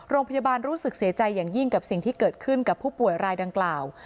รู้สึกเสียใจอย่างยิ่งกับสิ่งที่เกิดขึ้นกับผู้ป่วยรายดังกล่าว